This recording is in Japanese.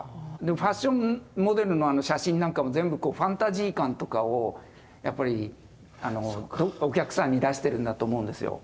ファッションモデルの写真なんかも全部こうファンタジー感とかをやっぱりお客さんに出してるんだと思うんですよ。